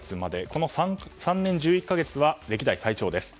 この３年１１か月は歴代最長です。